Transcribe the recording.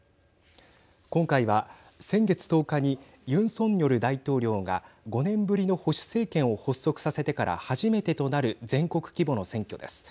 今回は先月１０日にユン・ソンニョル大統領が５年ぶりの保守政権を発足させてから初めてとなる全国規模の選挙です。